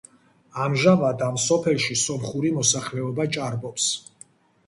ამჟამად ამ სოფელში სომხური მოსახლეობა ჭარბობს.